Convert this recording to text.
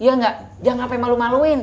ya gak jangan sampe malu maluin